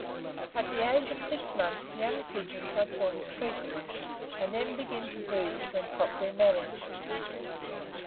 At the age of six months, young pigeons are termed squeakers, and then begin to breed, when properly managed.